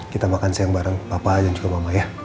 kita makan siang bareng papa dan juga mama ya